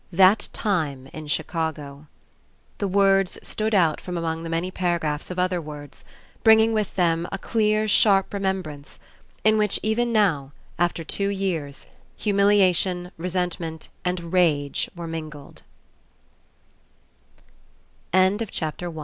"That time in Chicago." The words stood out from among the many paragraphs of other words, bringing with them a clear, sharp remembrance, in which even now, after two years, humiliation, resentment, and